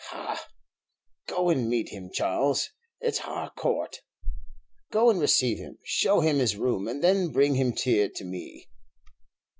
"Ha! go and meet him, Charles, it's Harcourt. Go and receive him, show him his room, and then bring him here to me."